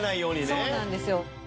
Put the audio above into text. そうかそうなんですよ